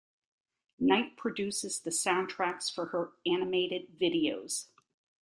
Knight produces the soundtracks for her animated videos.